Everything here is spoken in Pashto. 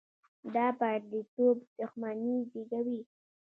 دا پرديتوب دښمني زېږوي.